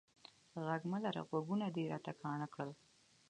ږغ مه لره، غوږونه دي را کاڼه کړل.